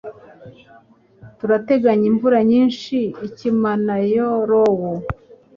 Turateganya imvura nyinshi Akimanaorrow.